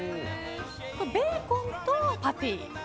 ベーコンとパティ？